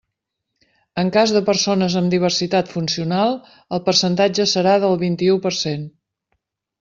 En cas de persones amb diversitat funcional el percentatge serà del vint-i-u per cent.